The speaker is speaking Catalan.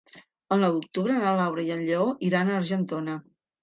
El nou d'octubre na Laura i en Lleó iran a Argentona.